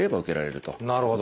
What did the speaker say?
なるほど。